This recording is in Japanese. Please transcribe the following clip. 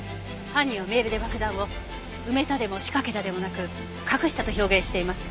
犯人はメールで爆弾を「埋めた」でも「仕掛けた」でもなく「隠した」と表現しています。